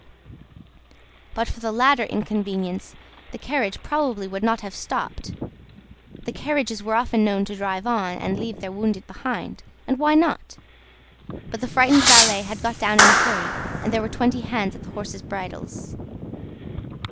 But for the latter inconvenience, the carriage probably would not have stopped; carriages were often known to drive on, and leave their wounded behind, and why not? But the frightened valet had got down in a hurry, and there were twenty hands at the horses' bridles.